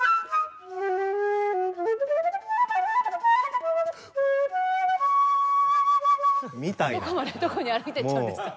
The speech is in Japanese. どこまでどこに歩いていっちゃうんですか？